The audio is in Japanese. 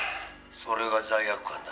「それが罪悪感だ」